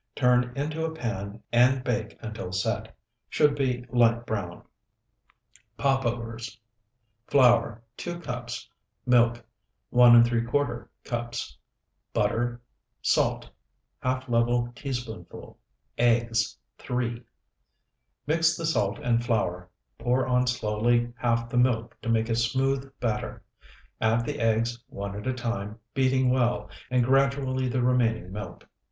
Turn into a pan and bake until set. Should be light brown. POPOVERS Flour, 2 cups. Milk, 1¾ cups. Butter. Salt, ½ level teaspoonful. Eggs, 3. Mix the salt and flour, pour on slowly half the milk to make a smooth batter; add the eggs, one at a time, beating well, and gradually the remaining milk.